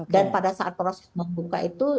dan pada saat proses membuka itu